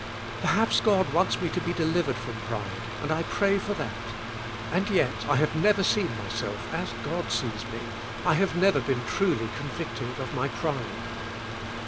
Perhaps God wants me to be delivered from pride and I pray for that; and yet I have never seen my self as God sees me, I have never been truly convic ted of my pride.